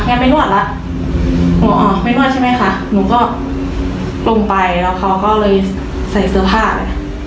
งั้นไปนวดล่ะอ๋อไม่นวดใช่ไหมคะหนูก็ลงไปแล้วเขาก็เลยใส่เสื้อผ้าเลย